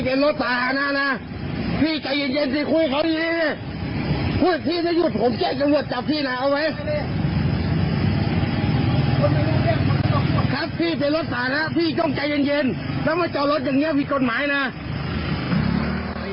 กลอดเกลี้ยพี่เป็นรถสาธารณานะพี่ใจเย็นซิคุณเค้าของพี่